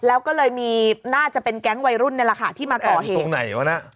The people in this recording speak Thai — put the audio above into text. แล้วก็เลยมีน่าจะเป็นแก๊งวัยรุ่นนี่แหละค่ะที่มาก่อเหตุตรงไหนวะน่ะ